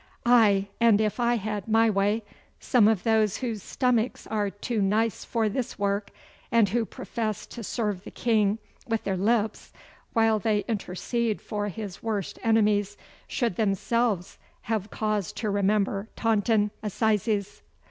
Aye, and if I had my way, some of those whose stomachs are too nice for this work, and who profess to serve the King with their lips while they intercede for his worst enemies, should themselves have cause to remember Taunton assizes.